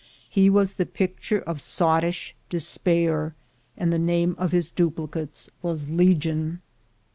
He was the picture of sottish despair, and the name of his duplicates was legion.